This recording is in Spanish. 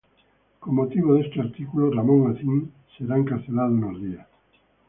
Con motivo de este artículo Ramón Acín será encarcelado unos días.